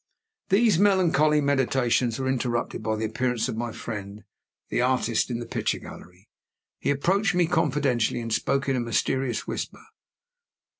These melancholy meditations were interrupted by the appearance of my friend, the artist, in the picture gallery. He approached me confidentially, and spoke in a mysterious whisper.